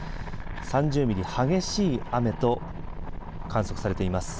３０ミリ、激しい雨と観測されています。